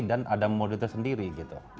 dan ada model tersendiri